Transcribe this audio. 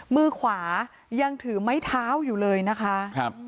มือขวายังถือไม้เท้าอยู่เลยนะคะครับ